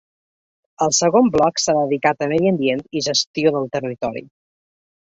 El segon bloc s’ha dedicat a medi ambient i gestió del territori.